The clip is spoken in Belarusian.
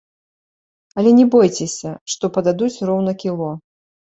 Але не бойцеся, што пададуць роўна кіло.